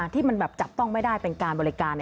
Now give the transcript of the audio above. ที่มันแบบจับต้องไม่ได้เป็นการบริการ